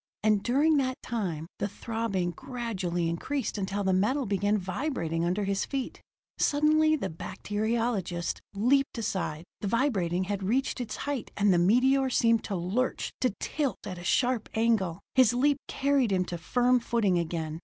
And during that time, the throbbing gradually increased until the metal began vibrating under his feet. Suddenly the bacteriologist leaped aside. The vibrating had reached its height, and the meteor seemed to lurch, to tilt at a sharp angle. His leap carried him to firm footing again.